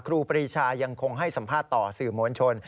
ครูปรีชายังคงให้สัมภาษณ์ต่อสื่อมวลชน